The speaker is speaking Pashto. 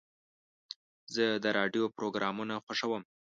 زه د راډیو پروګرامونه خوښوم.